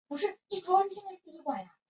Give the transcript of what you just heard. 主席和行政总裁为韦杰。